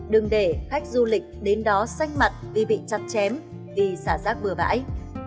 đừng để khách du lịch đến đó xanh mặt vì bị chặt chém vì xả rác bừa bãi